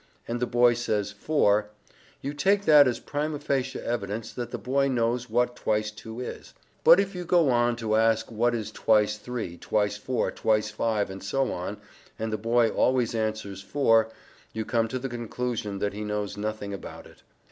and the boy says "four," you take that as prima facie evidence that the boy knows what twice two is. But if you go on to ask what is twice three, twice four, twice five, and so on, and the boy always answers "four," you come to the conclusion that he knows nothing about it.